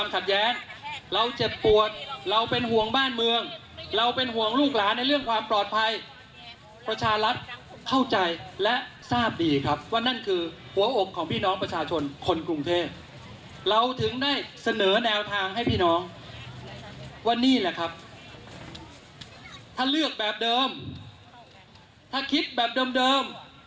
ถ้าได้คนเดิมถามว่าสิ่งที่พี่น้องได้คืออะไร